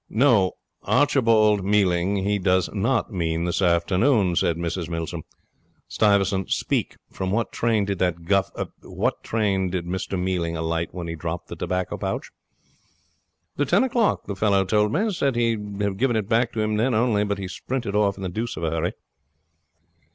'No, Archibald Mealing, he does not mean this afternoon,' said Mrs Milsom. 'Stuyvesant, speak! From what train did that guf did Mr Mealing alight when he dropped the tobacco pouch?' 'The ten o'clock, the fellow told me. Said he would have given it back to him then only he sprinted off in the deuce of a hurry.'